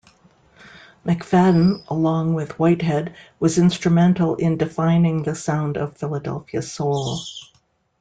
McFadden, along with Whitehead, was instrumental in defining the sound of Philadelphia soul.